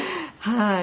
はい。